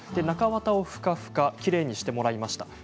中綿をふかふかきれいにしてもらいました。